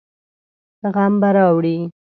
غم به راوړي.